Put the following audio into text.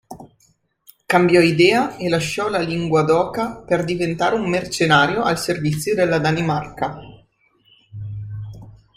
Cambiò idea e lasciò la Linguadoca per diventare un mercenario al servizio della Danimarca.